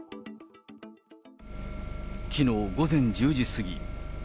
きのう午前１０時過ぎ。